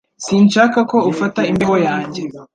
Sinshaka ko ufata imbeho yanjye